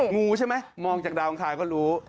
งูใช่มั้ยมองจากดาวของใครก็รู้